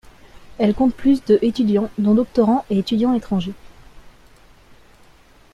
Elle compte plus de étudiants dont doctorants et étudiants étrangers.